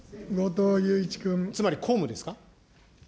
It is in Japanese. つまり公務ですか。